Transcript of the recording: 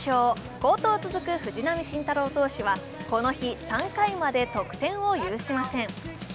好投続く藤浪晋太郎投手はこの日、３回まで得点を許しません。